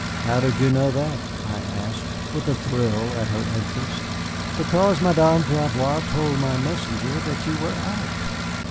"How did you know that?" I asked, with a thrill at her interest. "Because Madame Gravois told my messenger that you were out."